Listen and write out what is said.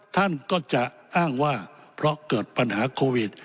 ท่านก็จะอ้างว่าเพราะเกิดปัญหาโควิด